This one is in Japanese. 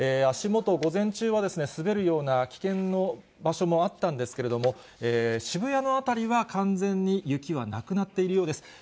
足元、午前中は滑るような、危険の場所もあったんですけれども、渋谷の辺りは完全に雪はなくなっているようです。